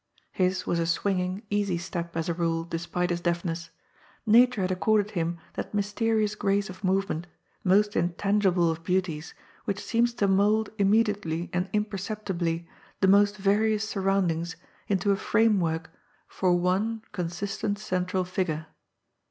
His was a swinging, easy step, as a rule, despite his deaf ness. Nature had accorded him that mysterious grace of moyement, most intangible of beauties, which seems to mould immediately and imperceptibly the most yarious surroundings into a framework for one consistent central figure.